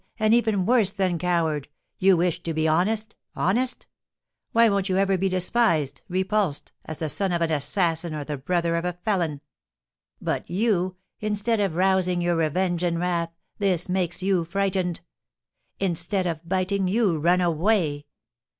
and even worse than coward! You wish to be honest! Honest? Why, won't you ever be despised, repulsed, as the son of an assassin or the brother of a felon? But you, instead of rousing your revenge and wrath, this makes you frightened! Instead of biting, you run away!